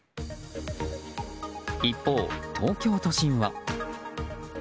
一方、東京都心は。